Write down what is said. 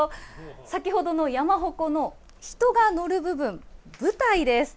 先ほどの山鉾の人が乗る部分、舞台です。